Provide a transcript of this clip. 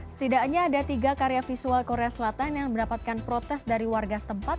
setidaknya ada tiga karya visual korea selatan yang mendapatkan protes dari warga setempat